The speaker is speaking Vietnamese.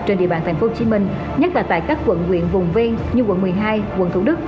trên địa bàn thành phố hồ chí minh nhắc là tại các quận nguyện vùng ven như quận một mươi hai quận thủ đức